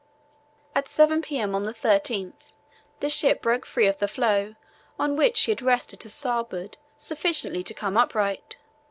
At 7 p.m. on the 13th the ship broke free of the floe on which she had rested to starboard sufficiently to come upright.